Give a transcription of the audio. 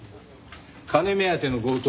金目当ての強盗。